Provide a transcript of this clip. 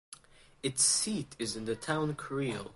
Its seat is in the town Creil.